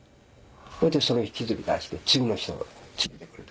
それでそれを引きずり出して次の人を連れて来る。